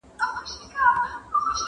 یو په یو یې خپل عیبونه پلټلای -